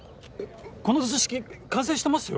この図式完成してますよ！